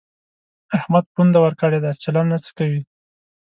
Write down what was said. احمد پونده ورکړې ده؛ چلم نه څکوي.